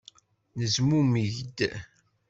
Nezmumeg-d.